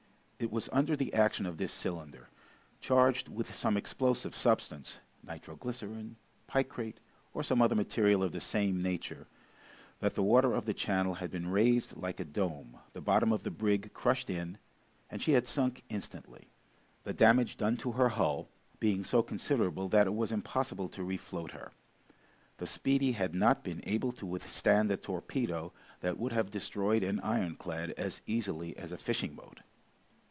It was under the action of this cylinder, charged with some explosive substance, nitro glycerine, picrate, or some other material of the same nature, that the water of the channel had been raised like a dome, the bottom of the brig crushed in, and she had sunk instantly, the damage done to her hull being so considerable that it was impossible to refloat her. The "Speedy" had not been able to withstand a torpedo that would have destroyed an ironclad as easily as a fishing boat!